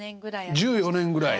１４年ぐらい。